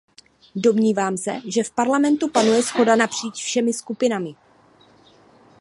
Domnívám se, že v Parlamentu panuje shoda napříč všemi skupinami.